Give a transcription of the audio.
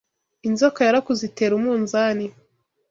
Inzoka yarakuze itera umunzani